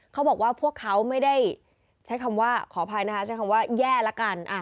เขาบอกว่าพวกเขาไม่ได้ใช้คำว่าขออภัยนะคะใช้คำว่าแย่ละกัน